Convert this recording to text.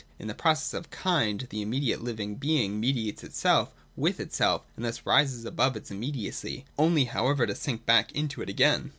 In the process of Kind the immediate living being mediates itself with itself, and thus rises above its immediacy, only however to sink back into it again.